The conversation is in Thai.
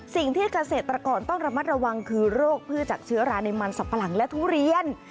สิ่งที่เกษตรกรต้องระมัดระวังคือโรคพืชจากเชื้อราในมันสับปะหลังและทุเรียน